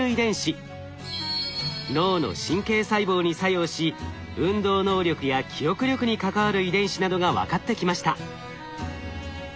脳の神経細胞に作用し運動能力や記憶力に関わる遺伝子などが分かってきました。